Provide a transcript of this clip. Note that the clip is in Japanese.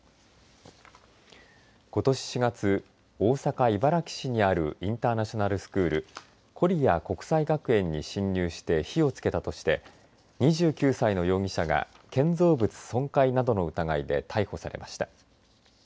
ことし４月大阪、茨木市にあるインターナショナルスクールコリア国際学園に侵入して火をつけたとして２９歳の容疑者が建造物損壊などの疑いで逮捕されました。